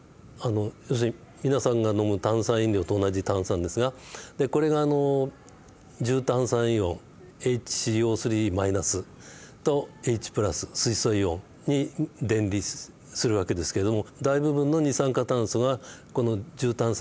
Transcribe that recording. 要するに皆さんが飲む炭酸飲料と同じ炭酸ですがこれがあの重炭酸イオンＨＣＯとＨ水素イオンに電離する訳ですけれども大部分の二酸化炭素がこの重炭酸イオンという形で運ばれています。